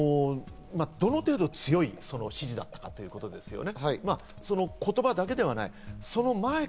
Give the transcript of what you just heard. どの程度、強い指示だったかということですね。